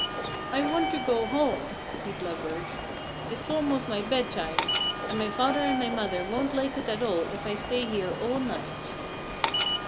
"I want to go home!" he blubbered. "It's almost my bedtime. And my father and my mother won't like it at all if I stay here all night."